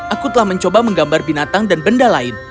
aku telah mencoba menggambar binatang dan benda lain